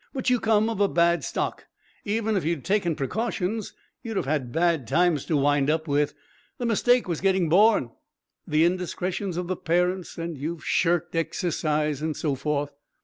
But you come of a bad stock. Even if you'd have taken precautions you'd have had bad times to wind up with. The mistake was getting born. The indiscretions of the parents. And you've shirked exercise, and so forth."